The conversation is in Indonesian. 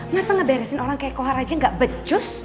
masa ngeberesin orang kayak kohar aja gak becus